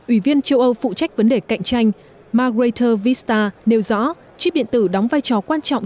ủy viên châu âu phụ trách vấn đề cạnh tranh margraiter vista nêu rõ chip điện tử đóng vai trò quan trọng